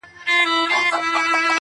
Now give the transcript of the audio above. څوک و یوه او څوک و بل ته ورځي,